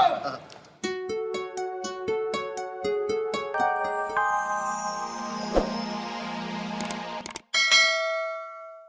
ustaz raya ada siapa